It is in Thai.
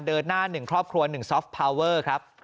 เดินหน้า๑ครอบครัว๑ซอฟพาวเวอร์ครับ